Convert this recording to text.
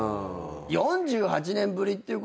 ４８年ぶりっていうことと。